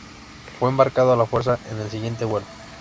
Fue embarcado a la fuerza en el siguiente vuelo.